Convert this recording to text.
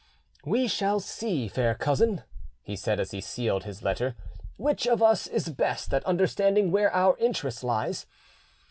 "We shall see, fair cousin," he said as he sealed his letter, "which of us is best at understanding where our interest lies.